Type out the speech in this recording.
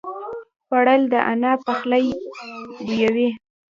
خوړل د انا پخلی بویوي